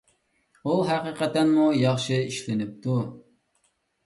ئۇ ھەقىقەتەنمۇ ياخشى ئىشلىنىپتۇ.